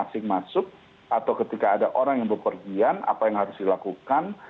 itu ketika ada orang asing masuk atau ketika ada orang yang berpergian apa yang harus dilakukan